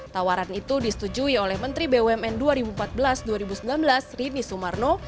tawaran itu disetujui oleh menteri bumn dua ribu empat belas dua ribu sembilan belas rini sumarno